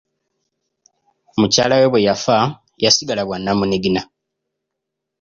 Mukyala we bwe yafa, yasigala bwa nnamunigina.